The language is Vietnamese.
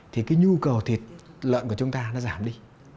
thì cái nhu cầu thịt lợn của chúng ta nó giảm đi